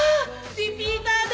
リピーターで。